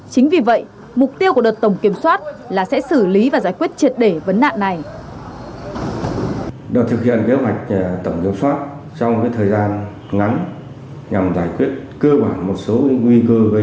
chính vì vậy mục tiêu của đợt tổng kiểm soát là sẽ xử lý và giải quyết triệt để vấn nạn này